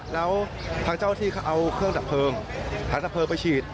แล้วทางเจ้าที่เขาเอาเครื่องดับเพลิงหาดับเพลิงไปฉีด